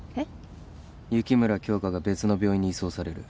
雪村京花が別の病院に移送される。